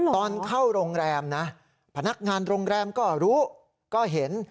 ตอนเข้าโรงแรมนะพนักงานโรงแรมก็รู้ก็เห็น